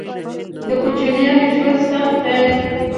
_د کوچيانو ژوند سخت دی.